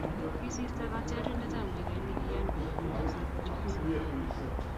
kisirto katrandiet ab mpiret ne kian konai kochesan kot mising